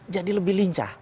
jadi lebih lincah